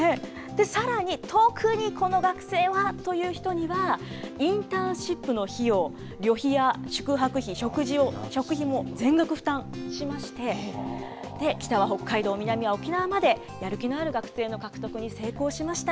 さらに、特にこの学生はという人には、インターンシップの費用、旅費や宿泊費、食費も全額負担しまして、北は北海道、南は沖縄まで、やる気のある学生の獲得に成功しました。